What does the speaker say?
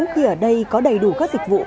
khi ở đây có đầy đủ các dịch vụ